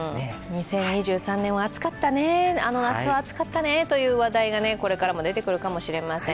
２０２３年は暑かったね、あの夏は暑かったねという話題が今後出てくるかもしれません。